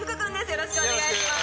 よろしくお願いします。